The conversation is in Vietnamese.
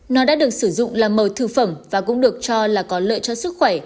nó đã được sử dụng làm màu thư phẩm và cũng được cho là có lợi cho sức khỏe